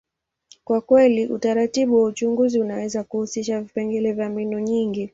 kwa kweli, utaratibu wa uchunguzi unaweza kuhusisha vipengele vya mbinu nyingi.